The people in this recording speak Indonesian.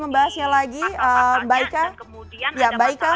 membahasnya lagi baikah